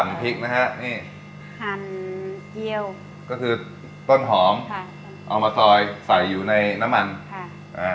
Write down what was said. เอิร์กบามพริกนะฮะนี่หันเจียวก็คือต้นหอมค่ะเอามาซอยใส่อยู่ในน้ำมันค่ะ